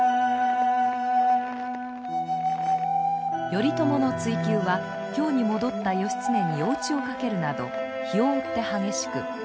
頼朝の追及は京に戻った義経に夜討ちをかけるなど日を追って激しく。